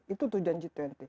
itu tujuan g dua puluh